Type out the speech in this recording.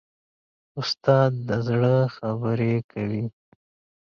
استاد د زړه خبرې کوي.